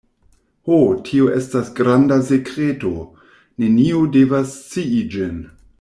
Ho, tio estas granda sekreto; neniu devas scii ĝin.